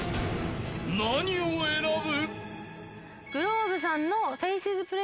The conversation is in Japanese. ［何を選ぶ？］